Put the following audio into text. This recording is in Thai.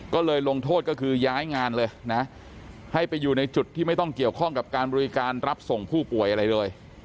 ก็เลยลงโทษก็คือย้ายงานเลยนะให้ไปอยู่ในจุดที่ไม่ต้องเกี่ยวข้องกับการบริการรับส่งผู้ป่วยอะไรเลย